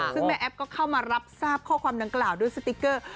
ซึ่งแม่แอฟก็เข้ามารับทราบข้อความดังกล่าวด้วยสติ๊กเกอร์